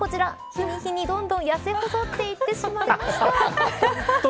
日に日にどんどんやせ細っていってしまいました。